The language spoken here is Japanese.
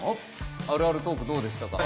あるあるトークどうでしたか？